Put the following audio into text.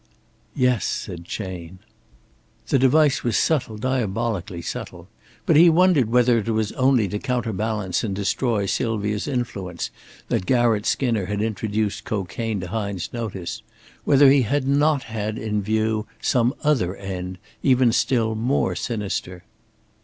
"Yes," said Chayne. The device was subtle, diabolically subtle. But he wondered whether it was only to counterbalance and destroy Sylvia's influence that Garratt Skinner had introduced cocaine to Hine's notice; whether he had not had in view some other end, even still more sinister.